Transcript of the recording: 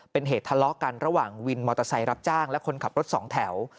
เป็นเหตุทะเลาะกันระหว่างวินมอเตอร์ไซค์รับจ้างและคนขับรถสองแถว